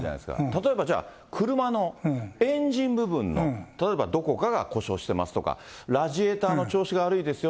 例えばじゃあ、車のエンジン部分の例えばどこかが故障してますとか、ラジエーターの調子が悪いですよ。